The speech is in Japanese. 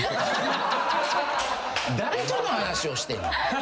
誰との話をしてんねん。